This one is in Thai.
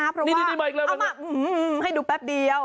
เอามาให้ดูแป๊บเดียว